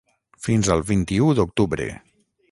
Fins al vint-i-u d’octubre.